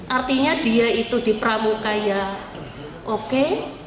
artinya dia itu di pramuka ya oke